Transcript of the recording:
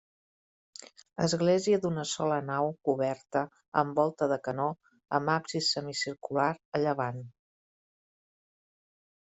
Església d'una sola nau coberta amb volta de canó, amb absis semicircular a llevant.